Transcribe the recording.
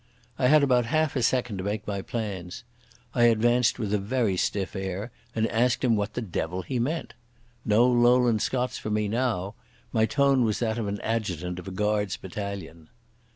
I had about half a second to make my plans. I advanced with a very stiff air, and asked him what the devil he meant. No Lowland Scots for me now. My tone was that of an adjutant of a Guards' battalion.